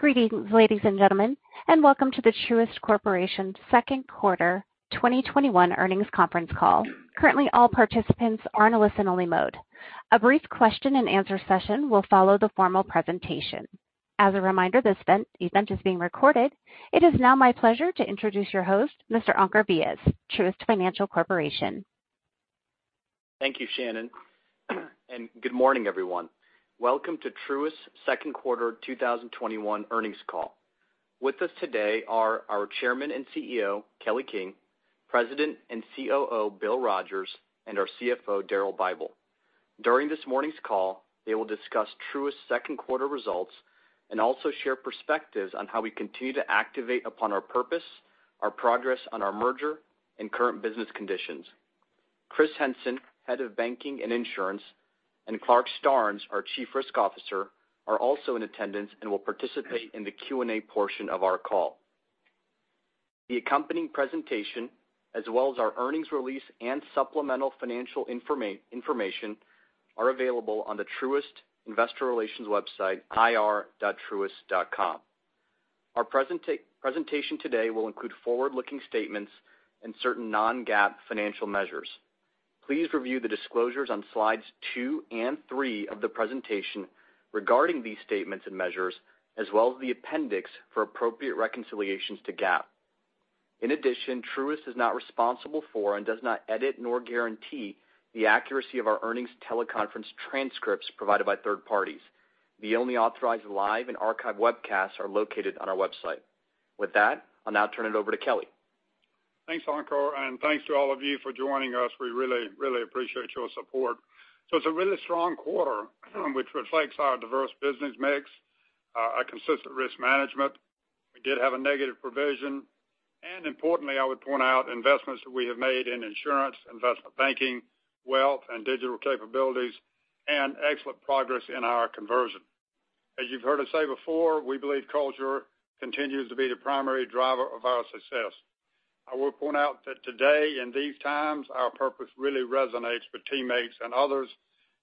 Greetings, ladies and gentlemen, and welcome to the Truist Financial Corporation second quarter 2021 earnings conference call. Currently, all participants are in a listen-only mode. A brief question and answer session will follow the formal presentation. As a reminder, this event is being recorded. It is now my pleasure to introduce your host, Mr. Ankur Vyas, Truist Financial Corporation. Thank you, Shannon. Good morning, everyone. Welcome to Truist's second quarter 2021 earnings call. With us today are our Chairman and CEO, Kelly King, President and COO, Bill Rogers, and our CFO, Daryl Bible. During this morning's call, they will discuss Truist's second quarter results and also share perspectives on how we continue to activate upon our purpose, our progress on our merger, and current business conditions. Chris Henson, Head of Banking and Insurance, and Clarke Starnes, our Chief Risk Officer, are also in attendance and will participate in the Q&A portion of our call. The accompanying presentation, as well as our earnings release and supplemental financial information, are available on the Truist Investor Relations website, ir.truist.com. Our presentation today will include forward-looking statements and certain non-GAAP financial measures. Please review the disclosures on slides two and three of the presentation regarding these statements and measures, as well as the appendix for appropriate reconciliations to GAAP. Truist is not responsible for and does not edit nor guarantee the accuracy of our earnings teleconference transcripts provided by third parties. The only authorized live and archived webcasts are located on our website. With that, I'll now turn it over to Kelly. Thanks, Ankur, thanks to all of you for joining us. We really appreciate your support. It's a really strong quarter, which reflects our diverse business mix, our consistent risk management. We did have a negative provision, and importantly, I would point out investments that we have made in insurance, investment banking, wealth, and digital capabilities, and excellent progress in our conversion. As you've heard us say before, we believe culture continues to be the primary driver of our success. I will point out that today, in these times, our purpose really resonates with teammates and others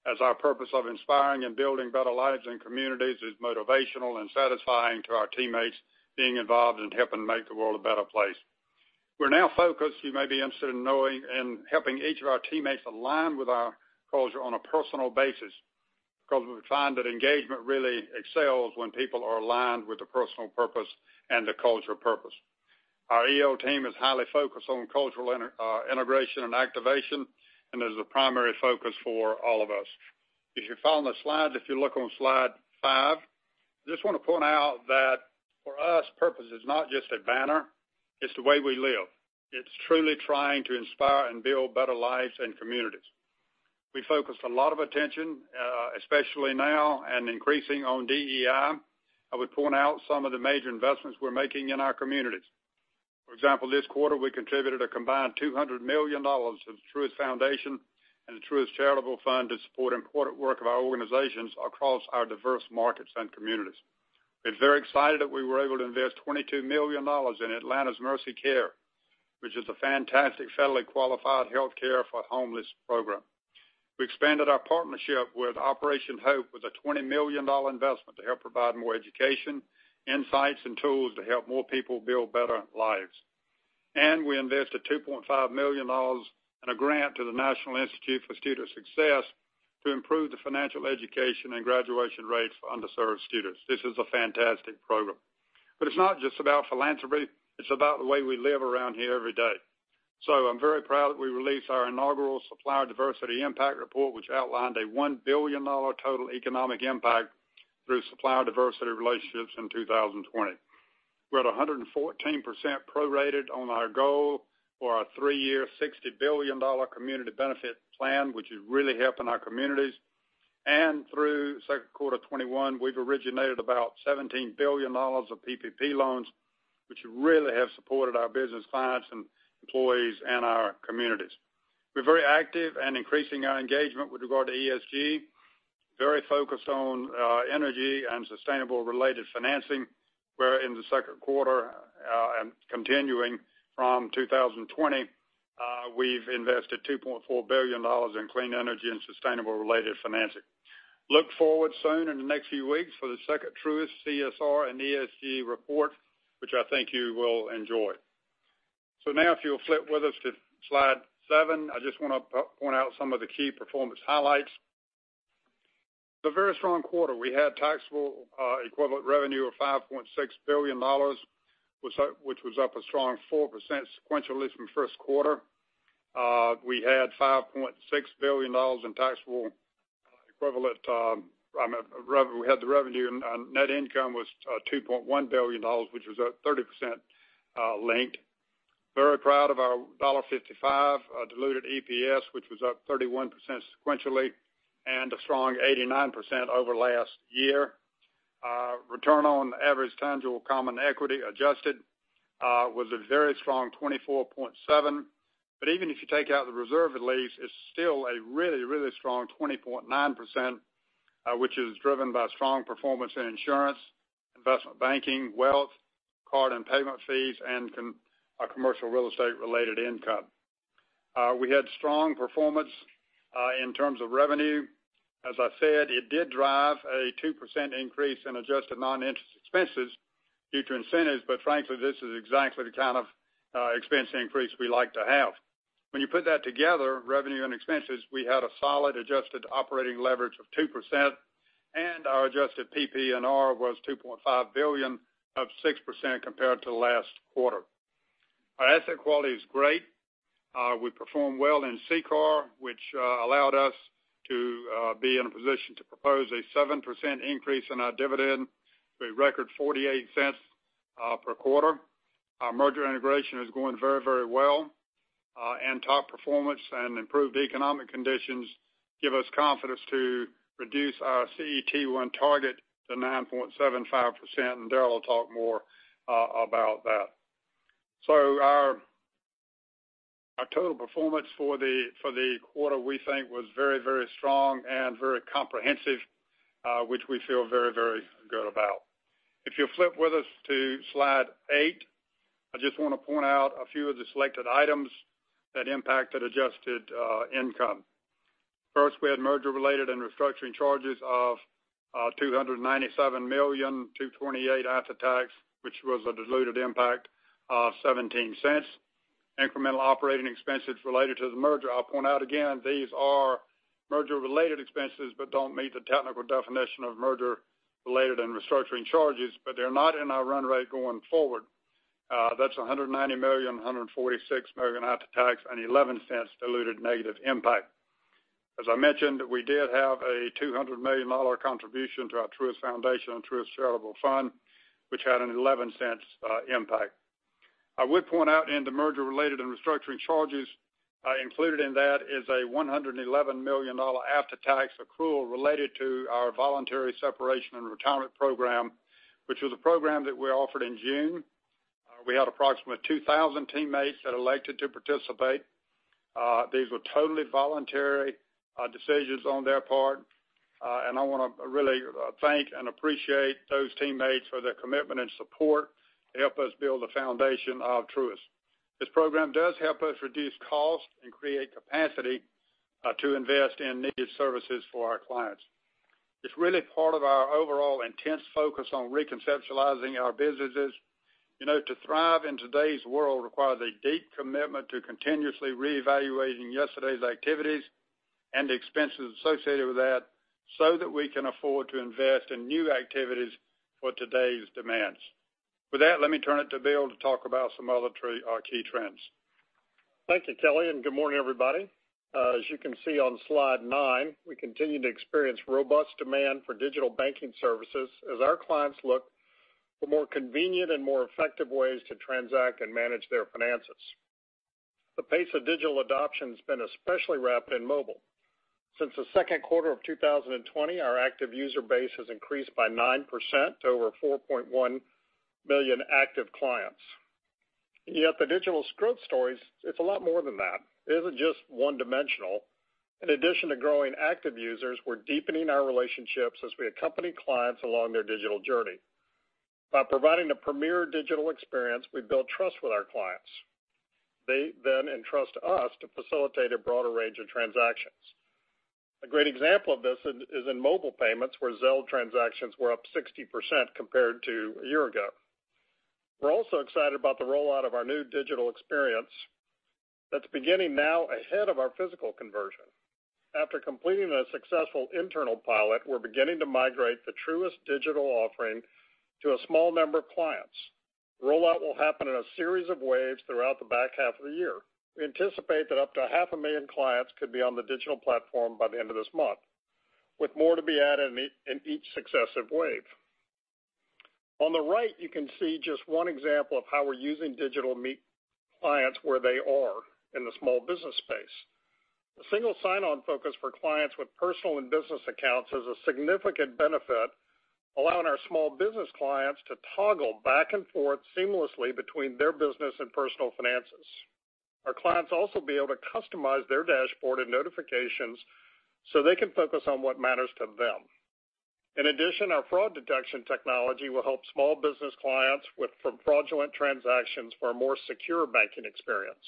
as our purpose of inspiring and building better lives and communities is motivational and satisfying to our teammates being involved in helping make the world a better place. We're now focused, you may be interested in knowing, in helping each of our teammates align with our culture on a personal basis, because we find that engagement really excels when people are aligned with their personal purpose and the cultural purpose. Our EO team is highly focused on cultural integration and activation and is a primary focus for all of us. If you follow the slides, if you look on slide five, I just want to point out that for us, purpose is not just a banner, it's the way we live. It's truly trying to inspire and build better lives and communities. We focused a lot of attention, especially now and increasing on DEI. I would point out some of the major investments we're making in our communities. For example, this quarter, we contributed a combined $200 million to the Truist Foundation and the Truist Charitable Fund to support important work of our organizations across our diverse markets and communities. We're very excited that we were able to invest $22 million in Atlanta's Mercy Care, which is a fantastic federally qualified healthcare for homeless program. We expanded our partnership with Operation HOPE with a $20 million investment to help provide more education, insights, and tools to help more people build better lives. We invested $2.5 million in a grant to the National Institute for Student Success to improve the financial education and graduation rates for underserved students. This is a fantastic program. It's not just about philanthropy, it's about the way we live around here every day. I'm very proud that we released our inaugural Supplier Diversity Impact Report, which outlined a $1 billion total economic impact through supplier diversity relationships in 2020. We're at 114% prorated on our goal for our three-year, $60 billion community benefit plan, which is really helping our communities. Through second quarter 2021, we've originated about $17 billion of PPP loans, which really have supported our business clients and employees and our communities. We're very active and increasing our engagement with regard to ESG, very focused on energy and sustainable related financing, where in the second quarter, and continuing from 2020, we've invested $2.4 billion in clean energy and sustainable related financing. Look forward soon in the next few weeks for the second Truist CSR and ESG report, which I think you will enjoy. Now, if you'll flip with us to slide seven, I just want to point out some of the key performance highlights. A very strong quarter. We had taxable equivalent revenue of $5.6 billion, which was up a strong 4% sequentially from first quarter. We had $5.6 billion in taxable equivalent revenue, and net income was $2.1 billion, which was up 30% linked. Very proud of our $1.55 diluted EPS, which was up 31% sequentially and a strong 89% over last year. Return on average tangible common equity adjusted was a very strong 24.7%. Even if you take out the reserve release, it's still a really strong 20.9%, which is driven by strong performance in insurance, investment banking, wealth, card and payment fees, and commercial real estate related income. We had strong performance in terms of revenue. As I said, it did drive a 2% increase in adjusted non-interest expenses due to incentives. Frankly, this is exactly the kind of expense increase we like to have. When you put that together, revenue and expenses, we had a solid adjusted operating leverage of 2%, and our adjusted PPNR was $2.5 billion of 6% compared to last quarter. Our asset quality is great. We performed well in CCAR, which allowed us to be in a position to propose a 7% increase in our dividend to a record $0.48 per quarter. Our merger integration is going very well. Top performance and improved economic conditions give us confidence to reduce our CET1 target to 9.75%. Daryl will talk more about that. Our total performance for the quarter, we think, was very strong and very comprehensive, which we feel very good about. If you'll flip with us to slide eight, I just want to point out a few of the selected items that impacted adjusted income. First, we had merger-related and restructuring charges of $297 million, $228 million after tax, which was a diluted impact of $0.17. Incremental operating expenses related to the merger, I'll point out again, these are merger-related expenses, but don't meet the technical definition of merger-related and restructuring charges, but they're not in our run rate going forward. That's $190 million, $146 million after tax, and $0.11 diluted negative impact. As I mentioned, we did have a $200 million contribution to our Truist Foundation and Truist Charitable Fund, which had an $0.11 impact. I would point out in the merger-related and restructuring charges, included in that is a $111 million after-tax accrual related to our Voluntary Separation and Retirement Program, which was a program that we offered in June. We had approximately 2,000 teammates that elected to participate. These were totally voluntary decisions on their part. I want to really thank and appreciate those teammates for their commitment and support to help us build the foundation of Truist. This program does help us reduce costs and create capacity to invest in needed services for our clients. It's really part of our overall intense focus on reconceptualizing our businesses. To thrive in today's world requires a deep commitment to continuously reevaluating yesterday's activities and the expenses associated with that so that we can afford to invest in new activities for today's demands. With that, let me turn it to Bill to talk about some other key trends. Thank you, Kelly, and good morning, everybody. As you can see on slide nine, we continue to experience robust demand for digital banking services as our clients look for more convenient and more effective ways to transact and manage their finances. The pace of digital adoption has been especially rapid in mobile. Since the second quarter of 2020, our active user base has increased by 9% to over 4.1 million active clients. The digital growth stories, it's a lot more than that. It isn't just one-dimensional. In addition to growing active users, we're deepening our relationships as we accompany clients along their digital journey. By providing a premier digital experience, we build trust with our clients. They then entrust us to facilitate a broader range of transactions. A great example of this is in mobile payments, where Zelle transactions were up 60% compared to a year ago. We're also excited about the rollout of our new digital experience that's beginning now ahead of our physical conversion. After completing a successful internal pilot, we're beginning to migrate the Truist digital offering to a small number of clients. Rollout will happen in a series of waves throughout the back half of the year. We anticipate that up to half a million clients could be on the digital platform by the end of this month, with more to be added in each successive wave. On the right, you can see just one example of how we're using digital to meet clients where they are in the small business space. The single sign-on focus for clients with personal and business accounts is a significant benefit, allowing our small business clients to toggle back and forth seamlessly between their business and personal finances. Our clients also will be able to customize their dashboard and notifications so they can focus on what matters to them. In addition, our fraud detection technology will help small business clients with fraudulent transactions for a more secure banking experience.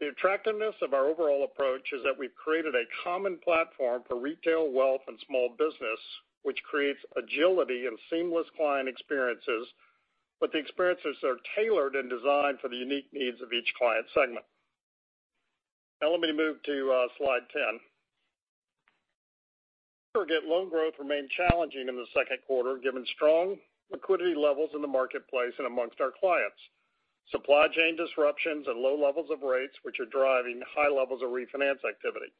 The attractiveness of our overall approach is that we've created a common platform for retail, wealth, and small business, which creates agility and seamless client experiences, but the experiences are tailored and designed for the unique needs of each client segment. Let me move to slide 10. Commercial loan growth remained challenging in the second quarter, given strong liquidity levels in the marketplace and amongst our clients. Supply chain disruptions and low levels of rates, which are driving high levels of refinance activity.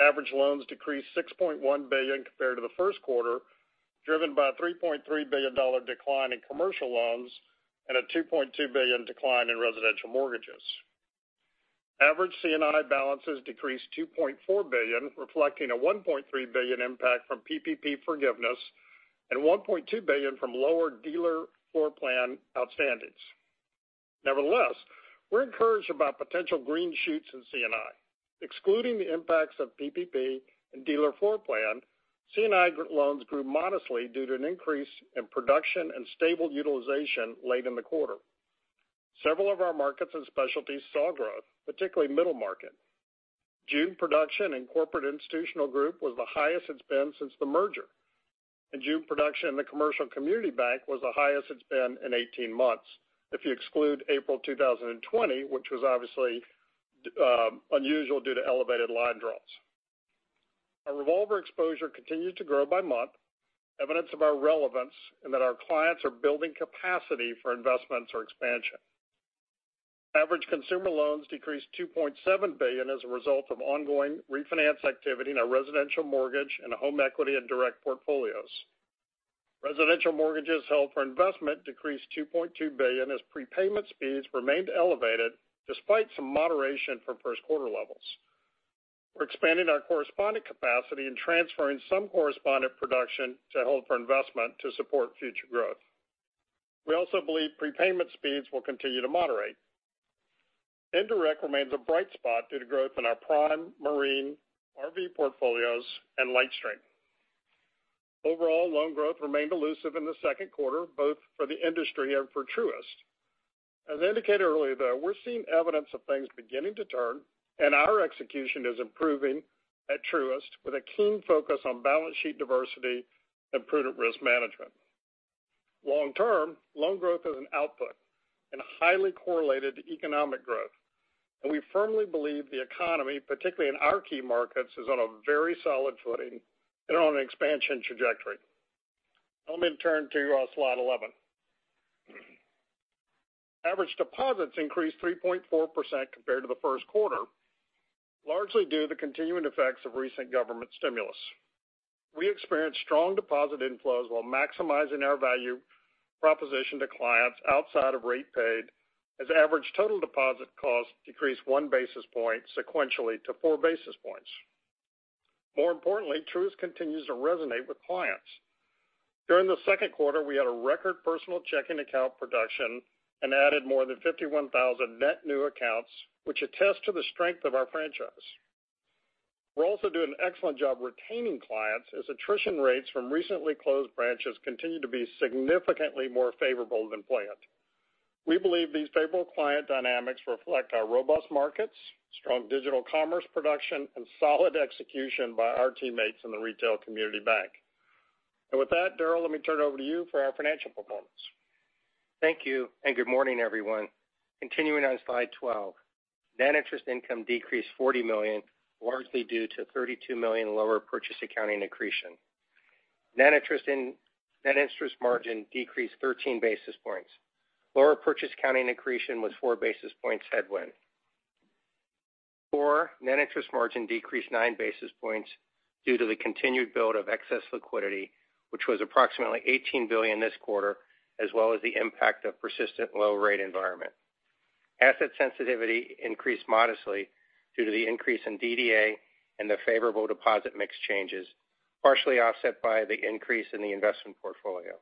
Average loans decreased $6.1 billion compared to the first quarter, driven by a $3.3 billion decline in commercial loans and a $2.2 billion decline in residential mortgages. Average C&I balances decreased $2.4 billion, reflecting a $1.3 billion impact from PPP forgiveness and $1.2 billion from lower Dealer Floor Plan outstandings. Nevertheless, we're encouraged about potential green shoots in C&I. Excluding the impacts of PPP and Dealer Floor Plan, C&I loans grew modestly due to an increase in production and stable utilization late in the quarter. Several of our markets and specialties saw growth, particularly middle market. June production in Corporate Institutional Group was the highest it's been since the merger, and June production in the Commercial Community Bank was the highest it's been in 18 months, if you exclude April 2020, which was obviously unusual due to elevated line draws. Our revolver exposure continued to grow by month, evidence of our relevance, and that our clients are building capacity for investments or expansion. Average consumer loans decreased $2.7 billion as a result of ongoing refinance activity in our residential mortgage and home equity and direct portfolios. Residential mortgages held for investment decreased $2.2 billion as prepayment speeds remained elevated despite some moderation from first quarter levels. We're expanding our correspondent capacity and transferring some correspondent production to hold for investment to support future growth. We also believe prepayment speeds will continue to moderate. Indirect remains a bright spot due to growth in our prime marine RV portfolios and LightStream. Overall, loan growth remained elusive in the second quarter, both for the industry and for Truist. As indicated earlier, though, we're seeing evidence of things beginning to turn, and our execution is improving at Truist with a keen focus on balance sheet diversity and prudent risk management. Long term, loan growth is an output and highly correlated to economic growth, and we firmly believe the economy, particularly in our key markets, is on a very solid footing and on an expansion trajectory. Let me turn to slide 11. Average deposits increased 3.4% compared to the first quarter, largely due to the continuing effects of recent government stimulus. We experienced strong deposit inflows while maximizing our value proposition to clients outside of rate paid, as average total deposit cost decreased 1 basis point sequentially to 4 basis points. More importantly, Truist continues to resonate with clients. During the second quarter, we had a record personal checking account production and added more than 51,000 net new accounts, which attest to the strength of our franchise. We're also doing an excellent job retaining clients, as attrition rates from recently closed branches continue to be significantly more favorable than planned. We believe these favorable client dynamics reflect our robust markets, strong digital commerce production, and solid execution by our teammates in the retail community bank. With that, Daryl, let me turn it over to you for our financial performance. Thank you, and good morning, everyone. Continuing on slide 12. Net interest income decreased $40 million, largely due to $32 million lower purchase accounting accretion. Net interest margin decreased 13 basis points. Lower purchase accounting accretion was four basis points headwind. Core net interest margin decreased nine basis points due to the continued build of excess liquidity, which was approximately $18 billion this quarter, as well as the impact of persistent low rate environment. Asset sensitivity increased modestly due to the increase in DDA and the favorable deposit mix changes, partially offset by the increase in the investment portfolio.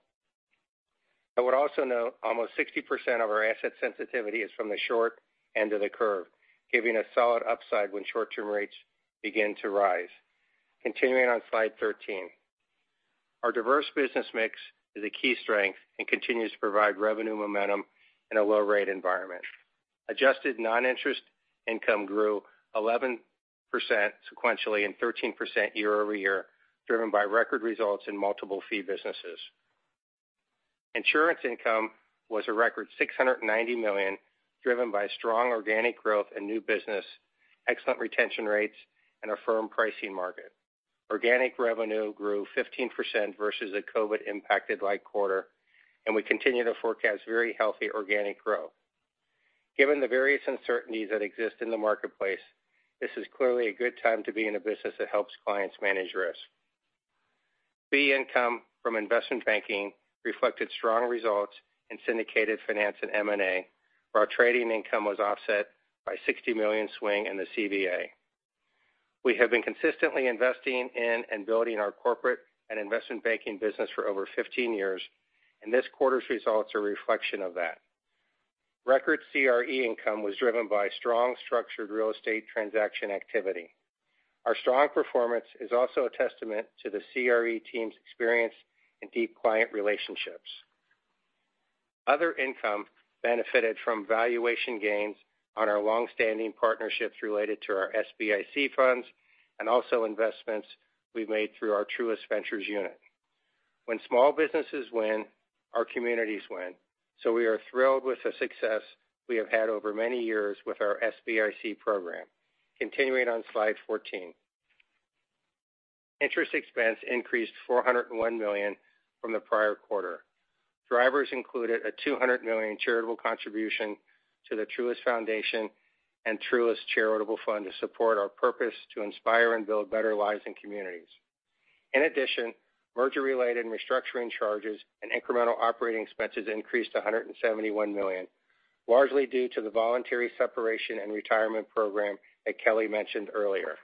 I would also note almost 60% of our asset sensitivity is from the short end of the curve, giving a solid upside when short-term rates begin to rise. Continuing on slide 13. Our diverse business mix is a key strength and continues to provide revenue momentum in a low rate environment. Adjusted non-interest income grew 11% sequentially and 13% year-over-year, driven by record results in multiple fee businesses. Insurance income was a record $690 million, driven by strong organic growth and new business, excellent retention rates, and a firm pricing market. Organic revenue grew 15% versus a COVID-impacted like quarter. We continue to forecast very healthy organic growth. Given the various uncertainties that exist in the marketplace, this is clearly a good time to be in a business that helps clients manage risk. Fee income from investment banking reflected strong results in syndicated finance and M&A, where our trading income was offset by a $60 million swing in the CVA. We have been consistently investing in and building our corporate and investment banking business for over 15 years. This quarter's results are a reflection of that. Record CRE income was driven by strong structured real estate transaction activity. Our strong performance is also a testament to the CRE team's experience in deep client relationships. Other income benefited from valuation gains on our long-standing partnerships related to our SBIC funds and also investments we've made through our Truist Ventures unit. When small businesses win, our communities win. We are thrilled with the success we have had over many years with our SBIC program. Continuing on slide 14. Interest expense increased $401 million from the prior quarter. Drivers included a $200 million charitable contribution to the Truist Foundation and Truist Charitable Fund to support our purpose to inspire and build better lives in communities. Merger-related restructuring charges and incremental operating expenses increased to $171 million, largely due to the Voluntary Separation and Retirement Program that Kelly mentioned earlier.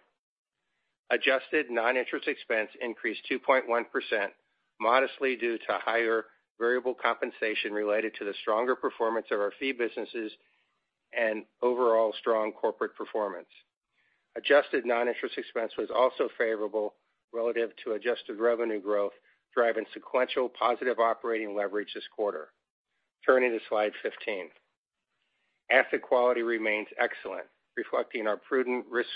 Adjusted non-interest expense increased 2.1%, modestly due to higher variable compensation related to the stronger performance of our fee businesses and overall strong corporate performance. Adjusted non-interest expense was also favorable relative to adjusted revenue growth, driving sequential positive operating leverage this quarter. Turning to slide 15. Asset quality remains excellent, reflecting our prudent risk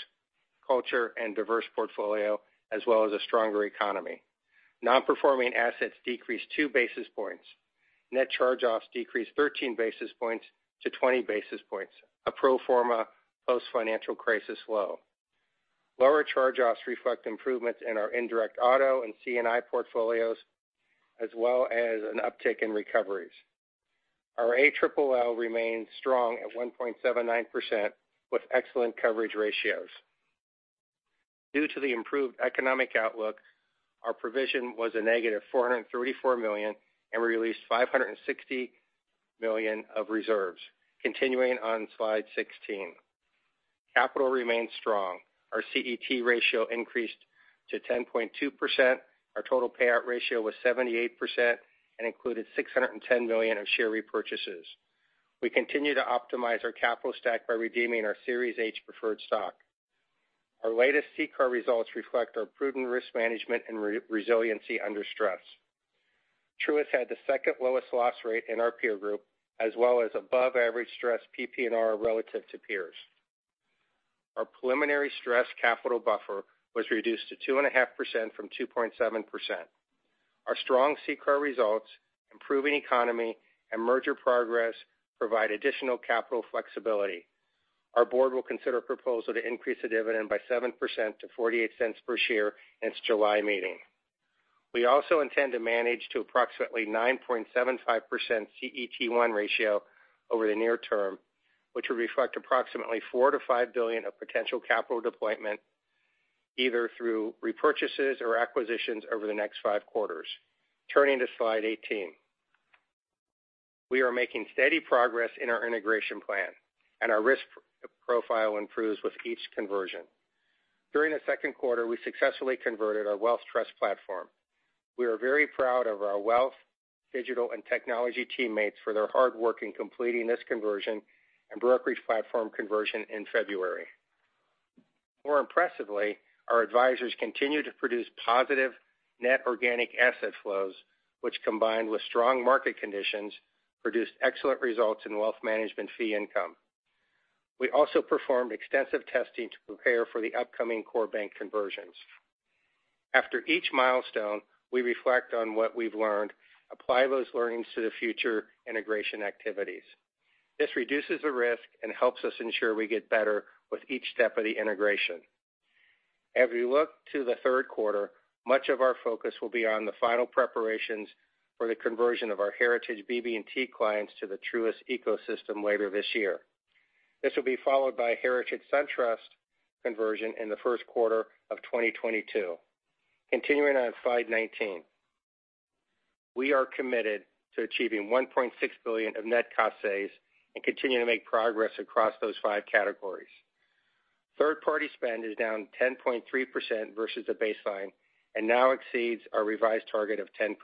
culture and diverse portfolio, as well as a stronger economy. Non-performing assets decreased 2 basis points. Net charge-offs decreased 13 basis points to 20 basis points, a pro forma post-financial crisis low. Lower charge-offs reflect improvements in our indirect auto and C&I portfolios, as well as an uptick in recoveries. Our ALLL remains strong at 1.79% with excellent coverage ratios. Due to the improved economic outlook, our provision was -$434 million, and we released $560 million of reserves. Continuing on slide 16. Capital remains strong. Our CET1 ratio increased to 10.2%. Our total payout ratio was 78% and included $610 million of share repurchases. We continue to optimize our capital stack by redeeming our Series H preferred stock. Our latest CCAR results reflect our prudent risk management and resiliency under stress. Truist had the second lowest loss rate in our peer group, as well as above-average stress PPNR relative to peers. Our preliminary stress capital buffer was reduced to 2.5% from 2.7%. Our strong CCAR results, improving economy, and merger progress provide additional capital flexibility. Our board will consider a proposal to increase the dividend by 7% to $0.48 per share in its July meeting. We also intend to manage to approximately 9.75% CET1 ratio over the near term, which would reflect approximately $4 billion-$5 billion of potential capital deployment, either through repurchases or acquisitions over the next five quarters. Turning to slide 18. We are making steady progress in our integration plan, and our risk profile improves with each conversion. During the second quarter, we successfully converted our wealth trust platform. We are very proud of our wealth, digital, and technology teammates for their hard work in completing this conversion and brokerage platform conversion in February. More impressively, our advisors continue to produce positive net organic asset flows, which combined with strong market conditions, produced excellent results in wealth management fee income. We also performed extensive testing to prepare for the upcoming core bank conversions. After each milestone, we reflect on what we've learned, apply those learnings to the future integration activities. This reduces the risk and helps us ensure we get better with each step of the integration. As we look to the third quarter, much of our focus will be on the final preparations for the conversion of our Heritage BB&T clients to the Truist ecosystem later this year. This will be followed by Heritage SunTrust conversion in the first quarter of 2022. Continuing on slide 19. We are committed to achieving $1.6 billion of net cost saves and continue to make progress across those five categories. Third-party spend is down 10.3% versus the baseline and now exceeds our revised target of 10%.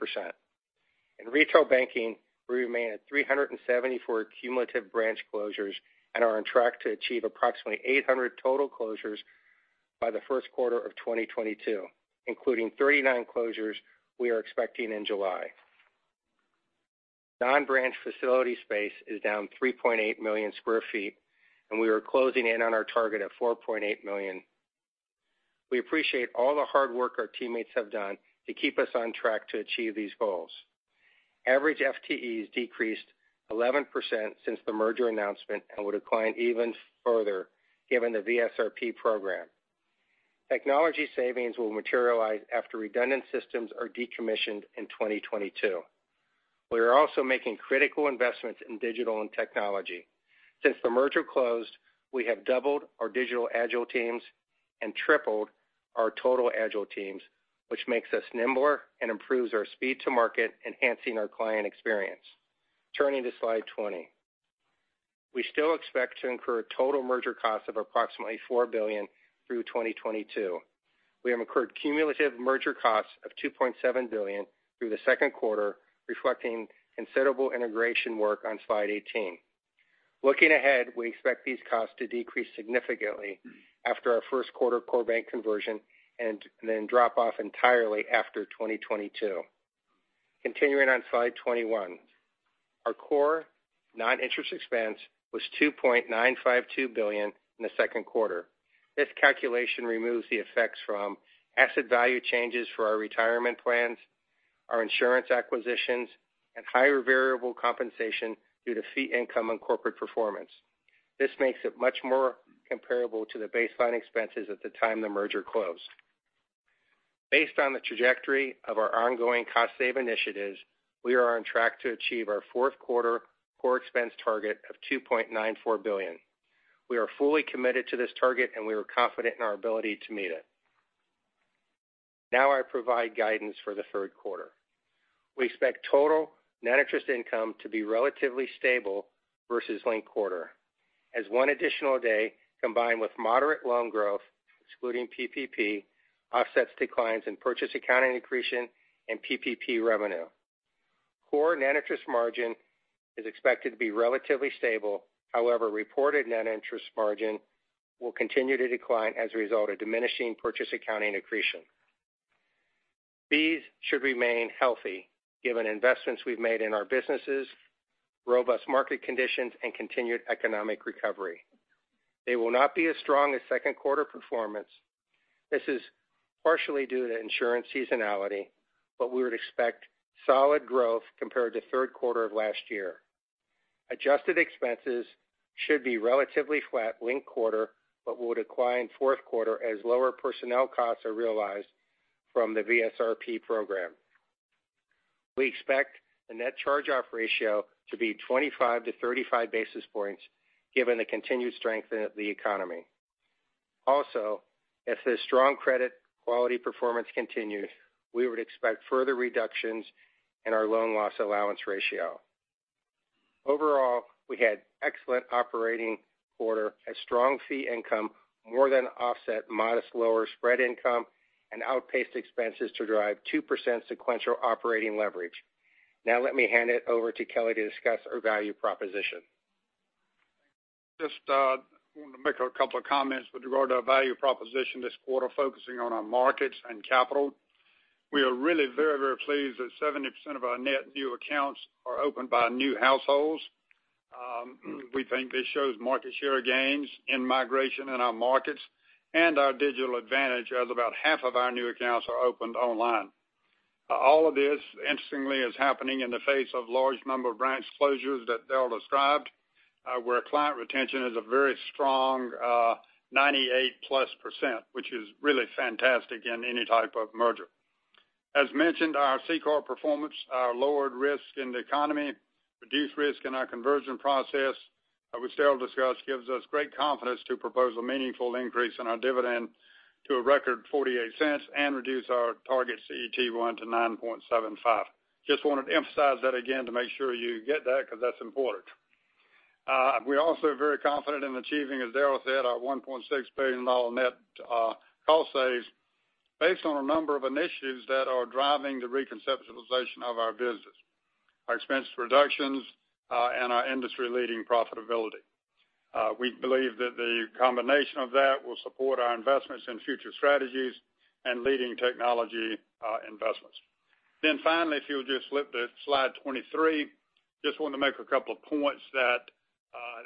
In retail banking, we remain at 374 cumulative branch closures and are on track to achieve approximately 800 total closures by the first quarter of 2022, including 39 closures we are expecting in July. Non-branch facility space is down 3.8 million sq ft, and we are closing in on our target of 4.8 million sq ft. We appreciate all the hard work our teammates have done to keep us on track to achieve these goals. Average FTEs decreased 11% since the merger announcement and would decline even further given the VSRP program. Technology savings will materialize after redundant systems are decommissioned in 2022. We are also making critical investments in digital and technology. Since the merger closed, we have doubled our digital agile teams and tripled our total agile teams, which makes us nimbler and improves our speed to market, enhancing our client experience. Turning to slide 20. We still expect to incur total merger costs of approximately $4 billion through 2022. We have incurred cumulative merger costs of $2.7 billion through the second quarter, reflecting considerable integration work on slide 18. Looking ahead, we expect these costs to decrease significantly after our first quarter core bank conversion, and then drop off entirely after 2022. Continuing on slide 21. Our core non-interest expense was $2.952 billion in the second quarter. This calculation removes the effects from asset value changes for our retirement plans, our insurance acquisitions, and higher variable compensation due to fee income and corporate performance. This makes it much more comparable to the baseline expenses at the time the merger closed. Based on the trajectory of our ongoing cost save initiatives, we are on track to achieve our fourth quarter core expense target of $2.94 billion. We are fully committed to this target, and we are confident in our ability to meet it. Now I provide guidance for the third quarter. We expect total net interest income to be relatively stable versus linked quarter. As one additional day, combined with moderate loan growth, excluding PPP, offsets declines in purchase accounting accretion and PPP revenue. Core net interest margin is expected to be relatively stable. However, reported net interest margin will continue to decline as a result of diminishing purchase accounting accretion. Fees should remain healthy given investments we've made in our businesses, robust market conditions, and continued economic recovery. They will not be as strong as second quarter performance. This is partially due to insurance seasonality, but we would expect solid growth compared to third quarter of last year. Adjusted expenses should be relatively flat linked quarter, but will decline fourth quarter as lower personnel costs are realized from the VSRP program. We expect the net charge-off ratio to be 25 basis points-35 basis points given the continued strength of the economy. Also, if the strong credit quality performance continues, we would expect further reductions in our loan loss allowance ratio. Overall, we had excellent operating quarter as strong fee income more than offset modest lower spread income and outpaced expenses to drive 2% sequential operating leverage. Let me hand it over to Kelly to discuss our value proposition. Just want to make a couple of comments with regard to our value proposition this quarter, focusing on our markets and capital. We are really very, very pleased that 70% of our net new accounts are opened by new households. We think this shows market share gains in migration in our markets and our digital advantage as about half of our new accounts are opened online. All of this, interestingly, is happening in the face of large number of branch closures that Daryl described, where client retention is a very strong, 98+ percent, which is really fantastic in any type of merger. As mentioned, our CCAR performance, our lowered risk in the economy, reduced risk in our conversion process, which Daryl discussed, gives us great confidence to propose a meaningful increase in our dividend to a record $0.48 and reduce our target CET1 to 9.75%. Just wanted to emphasize that again to make sure you get that, because that's important. We're also very confident in achieving, as Daryl said, our $1.6 billion net cost saves based on a number of initiatives that are driving the reconceptualization of our business, our expense reductions, and our industry-leading profitability. We believe that the combination of that will support our investments in future strategies and leading technology investments. Finally, if you'll just flip to slide 23, just wanted to make a couple of points that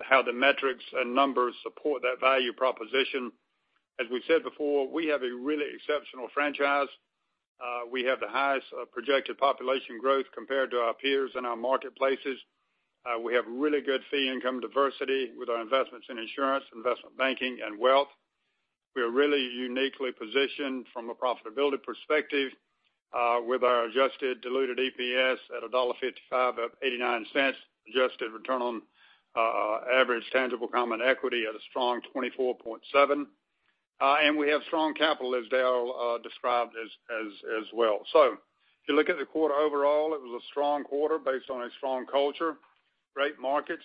how the metrics and numbers support that value proposition. As we said before, we have a really exceptional franchise. We have the highest projected population growth compared to our peers in our marketplaces. We have really good fee income diversity with our investments in insurance, investment banking, and wealth. We are really uniquely positioned from a profitability perspective, with our adjusted diluted EPS at $1.55, up $0.89, adjusted return on average tangible common equity at a strong 24.7%. We have strong capital, as Daryl described as well. If you look at the quarter overall, it was a strong quarter based on a strong culture, great markets,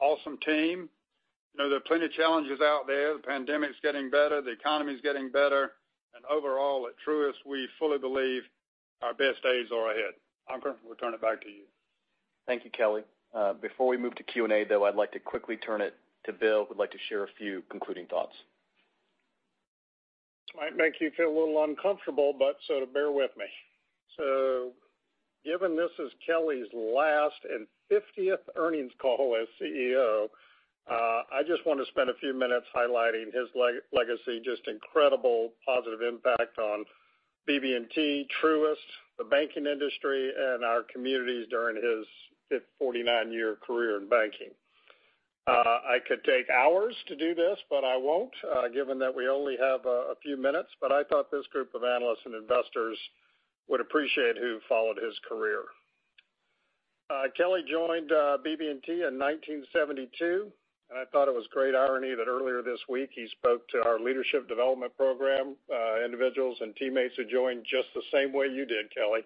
awesome team. There are plenty of challenges out there. The pandemic's getting better. The economy's getting better. Overall, at Truist, we fully believe our best days are ahead. Ankur, we'll turn it back to you. Thank you, Kelly. Before we move to Q&A, though, I'd like to quickly turn it to Bill, who'd like to share a few concluding thoughts. This might make you feel a little uncomfortable, bear with me. Given this is Kelly's last and 50th earnings call as CEO, I just want to spend a few minutes highlighting his legacy. Just incredible positive impact on BB&T, Truist, the banking industry, and our communities during his 49-year career in banking. I could take hours to do this, I won't, given that we only have a few minutes. I thought this group of analysts and investors would appreciate who followed his career. Kelly joined BB&T in 1972. I thought it was great irony that earlier this week, he spoke to our Leadership Development Program, individuals and teammates who joined just the same way you did, Kelly.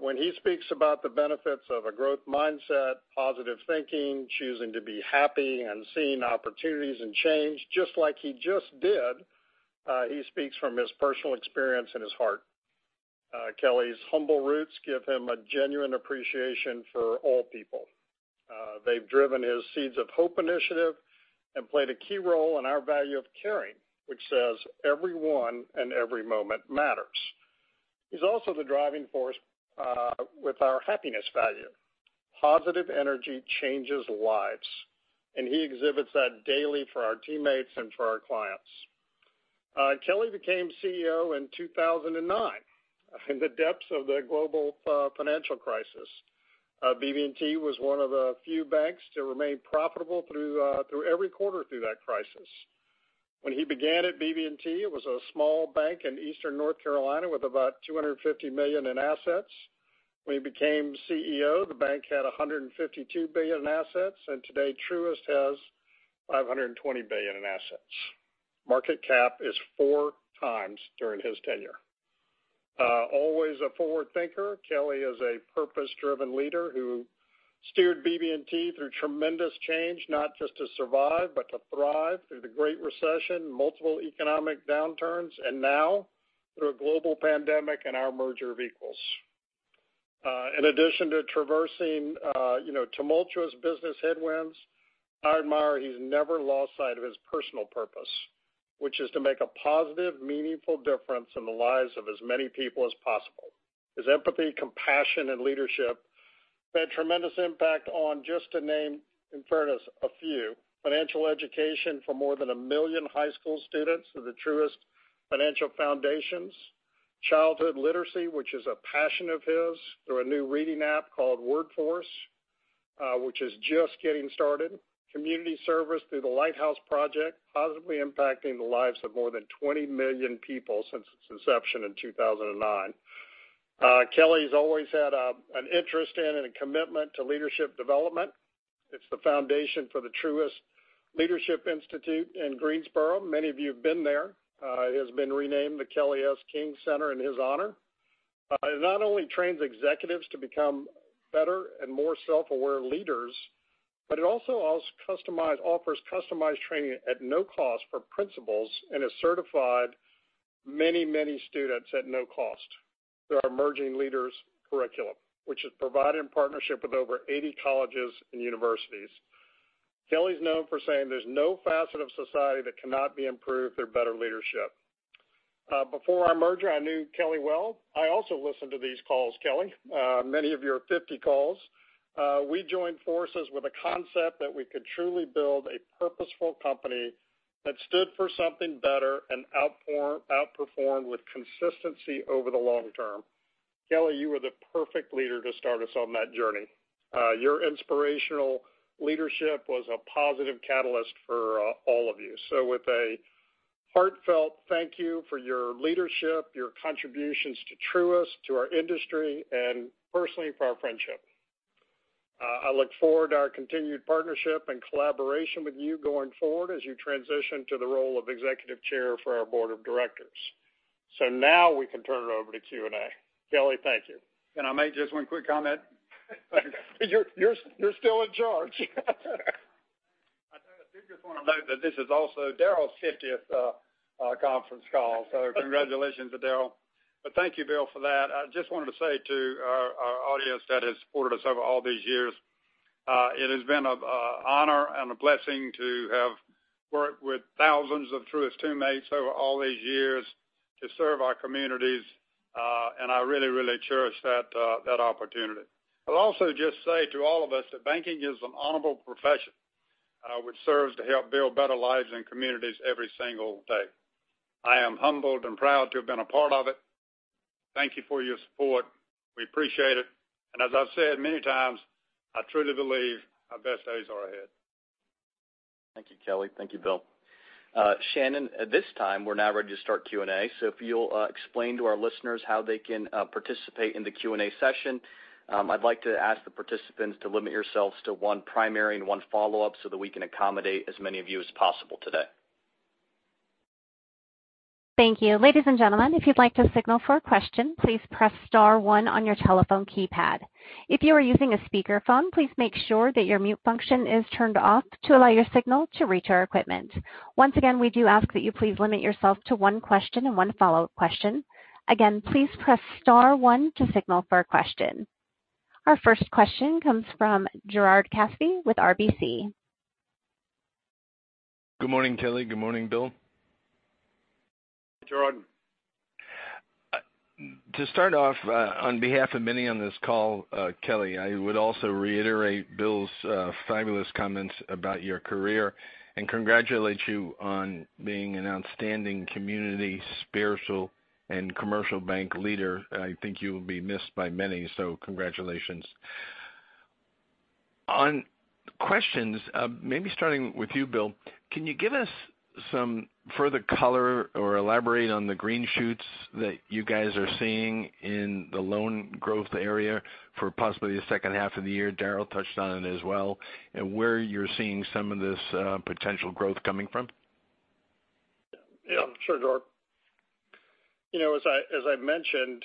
When he speaks about the benefits of a growth mindset, positive thinking, choosing to be happy, and seeing opportunities and change, just like he just did, he speaks from his personal experience and his heart. Kelly's humble roots give him a genuine appreciation for all people. They've driven his Seeds of Hope initiative and played a key role in our value of caring, which says, "Everyone and every moment matters." He's also the driving force with our happiness value. Positive energy changes lives, and he exhibits that daily for our teammates and for our clients. Kelly became CEO in 2009, in the depths of the global financial crisis. BB&T was one of the few banks to remain profitable through every quarter through that crisis. When he began at BB&T, it was a small bank in Eastern North Carolina with about $250 million in assets. When he became CEO, the bank had $152 billion in assets, and today Truist has $520 billion in assets. Market cap is 4x during his tenure. Always a forward thinker, Kelly is a purpose-driven leader who steered BB&T through tremendous change, not just to survive, but to thrive through the Great Recession, multiple economic downturns, and now through a global pandemic and our merger of equals. In addition to traversing tumultuous business headwinds, I admire he's never lost sight of his personal purpose, which is to make a positive, meaningful difference in the lives of as many people as possible. His empathy, compassion, and leadership had tremendous impact on, just to name, in fairness, a few, financial education for more than 1 million high school students through the Truist Financial Foundations. Childhood literacy, which is a passion of his, through a new reading app called WORD Force, which is just getting started. Community service through the Lighthouse Project, positively impacting the lives of more than 20 million people since its inception in 2009. Kelly's always had an interest in and a commitment to leadership development. It's the foundation for the Truist Leadership Institute in Greensboro. Many of you have been there. It has been renamed the Kelly S. King Center in his honor. It not only trains executives to become better and more self-aware leaders, but it also offers customized training at no cost for principals, and has certified many students at no cost through our Emerging Leaders curriculum, which is provided in partnership with over 80 colleges and universities. Kelly's known for saying there's no facet of society that cannot be improved through better leadership. Before our merger, I knew Kelly well. I also listened to these calls, Kelly, many of your 50 calls. We joined forces with a concept that we could truly build a purposeful company that stood for something better and outperformed with consistency over the long term. Kelly, you were the perfect leader to start us on that journey. Your inspirational leadership was a positive catalyst for all of you. With a heartfelt thank you for your leadership, your contributions to Truist, to our industry, and personally, for our friendship. I look forward to our continued partnership and collaboration with you going forward as you transition to the role of executive chair for our Board of Directors. Now we can turn it over to Q&A. Kelly, thank you. Can I make just one quick comment? You're still in charge. I did just want to note that this is also Daryl's 50th conference call. Congratulations to Daryl. Thank you, Bill, for that. I just wanted to say to our audience that has supported us over all these years, it has been an honor and a blessing to have worked with thousands of Truist teammates over all these years to serve our communities, and I really cherish that opportunity. I'll also just say to all of us that banking is an honorable profession, which serves to help build better lives and communities every single day. I am humbled and proud to have been a part of it. Thank you for your support. We appreciate it, and as I've said many times, I truly believe our best days are ahead. Thank you, Kelly. Thank you, Bill. Shannon, at this time, we're now ready to start Q&A, so if you'll explain to our listeners how they can participate in the Q&A session. I'd like to ask the participants to limit yourselves to one primary and one follow-up so that we can accommodate as many of you as possible today. Thank you. Ladies and gentlemen, if you'd like to signal for a question, please press star one on your telephone keypad. If you are using a speakerphone, please make sure that your mute function is turned off to allow your signal to reach our equipment. Once again, we do ask that you please limit yourself to one question and one follow-up question. Again, please press star one to signal for a question. Our first question comes from Gerard Cassidy with RBC. Good morning, Kelly. Good morning, Bill. Hi, Gerard. To start off, on behalf of many on this call, Kelly, I would also reiterate Bill's fabulous comments about your career and congratulate you on being an outstanding community, spiritual, and commercial bank leader. I think you'll be missed by many. Congratulations. On questions, maybe starting with you, Bill, can you give us some further color or elaborate on the green shoots that you guys are seeing in the loan growth area for possibly the second half of the year, Daryl touched on it as well, and where you're seeing some of this potential growth coming from? Yeah. Sure, Gerard. As I mentioned,